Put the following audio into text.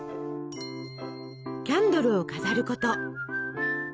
キャンドルを飾ること。